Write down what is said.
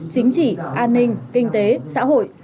chính trị an ninh kinh tế xã hội